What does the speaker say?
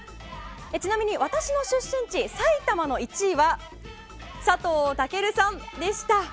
ちなみに私の出身地埼玉の１位は佐藤健さんでした！